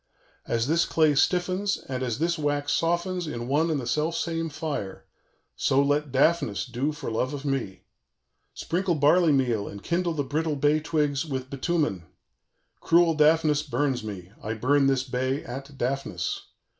_ "As this clay stiffens and as this wax softens in one and the self same fire, so let Daphnis do for love of me. Sprinkle barley meal, and kindle the brittle bay twigs with bitumen. Cruel Daphnis burns me; I burn this bay at Daphnis.